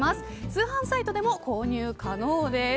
通販サイトでも購入可能です。